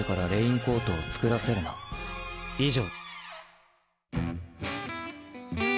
以上。